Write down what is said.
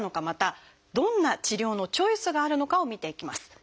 またどんな治療のチョイスがあるのかを見ていきます。